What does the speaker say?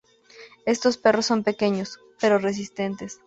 Estos perros son pequeños, pero resistentes.